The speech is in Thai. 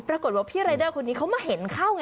ปรากฏว่าพี่รายเดอร์คนนี้เขามาเห็นเข้าไง